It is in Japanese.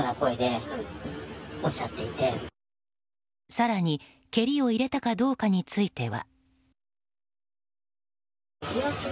更に、蹴りを入れたかどうかについては。